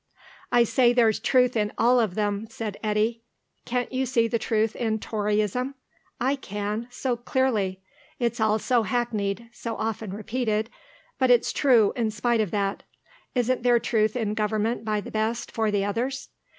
"I say there's truth in all of them," said Eddy. "Can't you see the truth in Toryism? I can, so clearly. It's all so hackneyed, so often repeated, but it's true in spite of that. Isn't there truth in government by the best for the others?